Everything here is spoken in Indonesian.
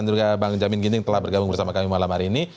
dan bang jamin ginding telah bergabung bersama kami malam hari ini